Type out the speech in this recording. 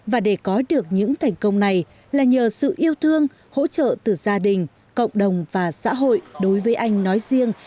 và để có được những thành công này là nhờ sự yêu thương hỗ trợ từ gia đình cộng đồng và xã hội đối với anh nói riêng